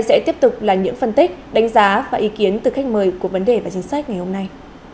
sẽ tiếp tục là những phân tích đánh giá và ý kiến từ khách mời của vấn đề và chính sách ngày hôm nay